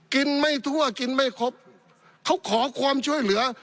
ไม่ทั่วกินไม่ครบเขาขอความช่วยเหลือ